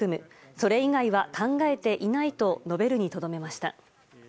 それ以外は考えていないと述べるにとどめました。